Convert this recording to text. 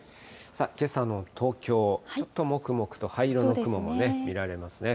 けさの東京、ちょっともくもくと灰色の雲もね、見られますね。